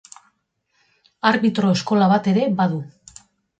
Arbitro eskola bat ere badu.